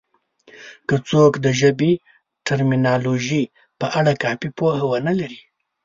که څوک د ژبې د ټرمینالوژي په اړه کافي پوهه ونه لري